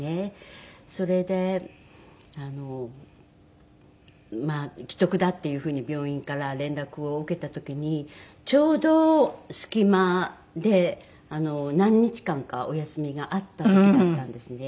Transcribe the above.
それであの危篤だっていう風に病院から連絡を受けた時にちょうど隙間で何日間かお休みがあった時だったんですね。